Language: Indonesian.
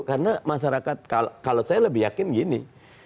karena masyarakat kalau saya lebih yakin gini